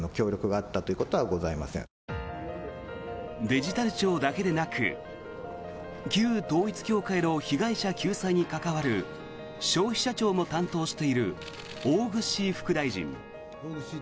デジタル庁だけでなく旧統一教会の被害者救済に関わる消費者庁も担当している大串副大臣。